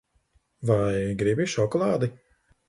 Vai gribi šokolādi?